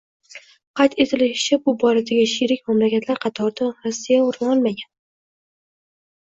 Qayd etilishicha, bu boradagi sherik mamlakatlar qatoridan Rossiya oʻrin olmagan.